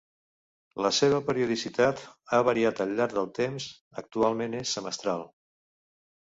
La seva periodicitat ha variat al llarg del temps, actualment és semestral.